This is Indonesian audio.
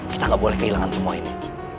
kita nggak boleh kehilangan semua ini